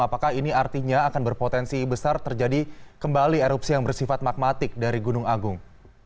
apakah ini artinya akan berpotensi besar terjadi kembali erupsi yang bersifat magmatik dari gunung agung